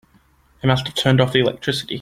They must have turned off the electricity.